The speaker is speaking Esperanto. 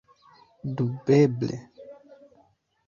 Dubeble!